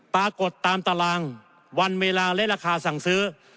ปรากฏตามตารางวันเวลาและราคาสั่งซื้อ